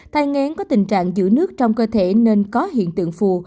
thai ngén có tình trạng giữ nước trong cơ thể nên có hiện tượng phù